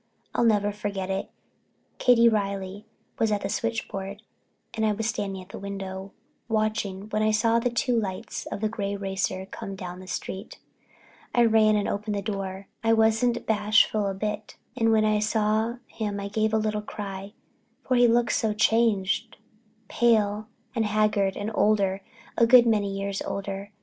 I'll never forget it. Katie Reilly was at the switchboard and I was standing at the window, watching, when I saw the two lights of the gray racer coming down the street. I ran and opened the door—I wasn't bashful a bit—and when I saw him I gave a little cry, for he looked so changed, pale and haggard and older, a good many years older.